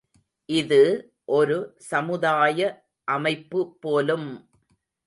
—இது ஒரு சமுதாய அமைப்பு போலும்!